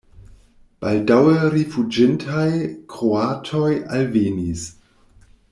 Baldaŭe rifuĝintaj kroatoj alvenis.